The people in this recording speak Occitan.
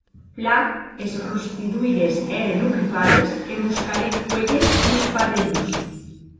Plan, es rostidoires èren ocupades e mos calèc cuélher dus padelons.